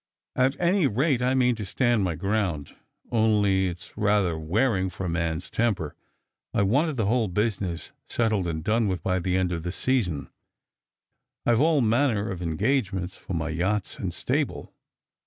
" At any rate, I mean to stand my ground ; only it's rather wearing for a man's temper. I wanted the whole busines settled and done with by the end of the season. I've all manner of en gagements for my yachts and stable.